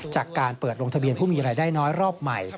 จากการเปิดลงทะเบียนผู้มีรายได้น้อยรอบใหม่